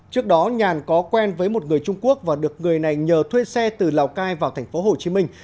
trước đó nhàn có quen với một người trung quốc và được người này nhờ thuê xe từ lào cai vào thành phố hồ chí minh